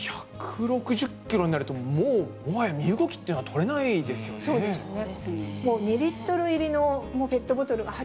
１６０キロになると、もうもはや身動きっていうのは取れないですよね。